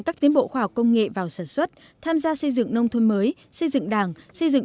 các tiến bộ khoa học công nghệ vào sản xuất tham gia xây dựng nông thôn mới xây dựng đảng xây dựng